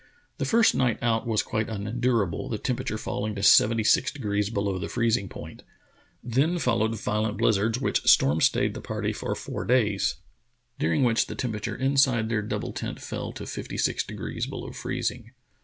The first night out was quite unendurable, the temperature falling to seventy six degrees below the freezing point. Then followed violent bhzzards which storm stayed the party for 88 True Tales of Arctic Heroism four days, during which the temperature inside their double tent fell to fifty six degrees below freezing.